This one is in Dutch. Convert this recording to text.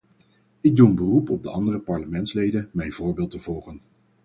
Ik doe een beroep op de andere parlementsleden mijn voorbeeld te volgen.